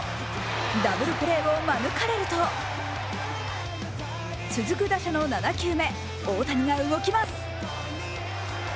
ダブルプレーを免れると、続く打者の７球目、大谷が動きます。